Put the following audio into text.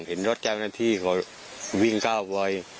เห็นรถจ้างนาทีก็วิ่งกร้าวไว